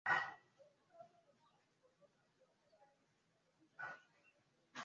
ifunge kisheria kwa hivyo una unahiari ya kutekeleza kuto